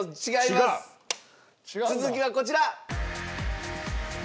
続きはこちら。